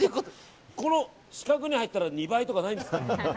この四角に入ったら２倍とかないんですか。